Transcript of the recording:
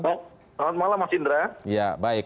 selamat malam mas indra